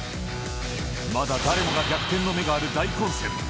まだ誰もが逆転の目がある大混戦。